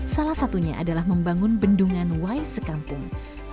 salah satunya adalah membangun bendungan wais sekampung